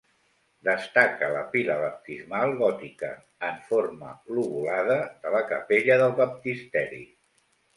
Destaca la pila baptismal gòtica, en forma lobulada, de la capella del baptisteri.